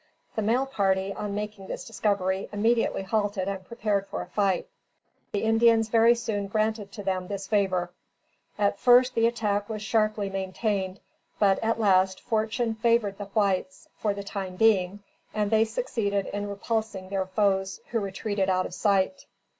The mail party, on making this discovery, immediately halted and prepared for a fight. The Indians very soon granted to them this favor. At first, the attack was sharply maintained, but, at last, fortune favored the whites, for the time being, and they succeeded in repulsing their foes, who retreated out of sight.